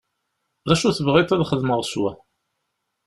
D acu tebɣiḍ ad xedmeɣ s wa?